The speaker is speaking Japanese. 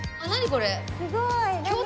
これ。